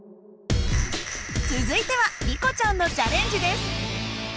続いてはリコちゃんのチャレンジです。